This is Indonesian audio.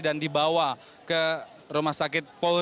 dan dibawa ke rumah sakit pori kramat jati